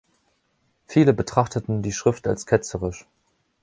Viele betrachteten die Schrift als ketzerisch.